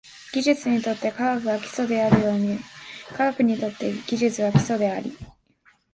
技術にとって科学が基礎であるように、科学にとって技術は基礎であり、